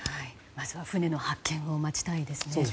まずは船の発見を待ちたいですね。